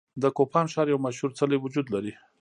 د کوپان ښار یو مشهور څلی وجود لري.